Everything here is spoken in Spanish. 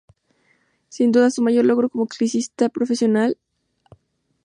Sin duda, su mayor logro como ciclista profesional hasta la fecha.